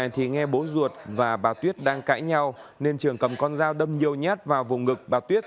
thì nghe bố ruột và bà tuyết đang cãi nhau nên trường cầm con dao đâm nhiều nhát vào vùng ngực bà tuyết